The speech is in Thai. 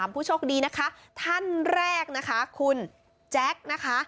ผู้โชคดีนะคะท่านแรกนะคะคุณแจ๊คนะคะ